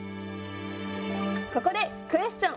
ここでクエスチョン！